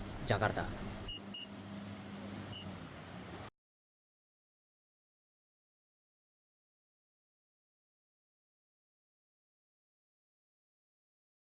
jangan lupa like share dan subscribe ya